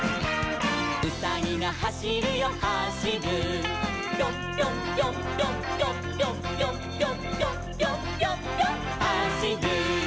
「うさぎがはしるよはしる」「ぴょんぴょんぴょんぴょんぴょんぴょんぴょんぴょん」「ぴょんぴょんぴょんぴょんはしる」